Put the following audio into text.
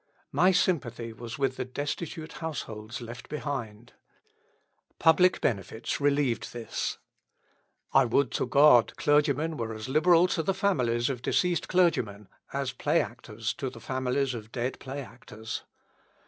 My sympathy was with the destitute households left behind. Public benefits relieved this. I would to God clergymen were as liberal to the families of deceased clergymen as play actors to the families of dead play actors.